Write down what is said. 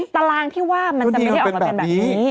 ตารางที่ว่ามันจะไม่ได้ออกมาเป็นแบบนี้